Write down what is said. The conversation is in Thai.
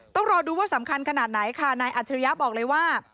ต้องรอดูว่าสำคัญขนาดไหนค่ะนายอัจฉริยะบอกเลยว่า